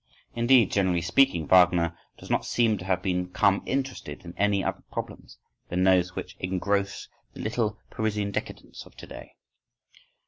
Indeed, generally speaking, Wagner does not seem to have become interested in any other problems than those which engross the little Parisian decadents of to day.